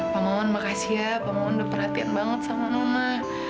pak maman makasih ya pak maman udah perhatian banget sama nona